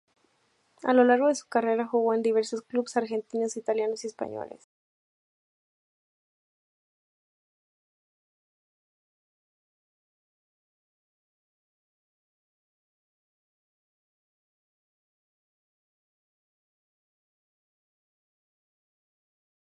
Los instrumentos de percusión dotan a la partitura de una sonoridad especial.